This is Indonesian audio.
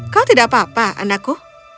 kau tidak apa apa anakku